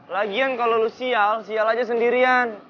lagian kalau sial sial aja sendirian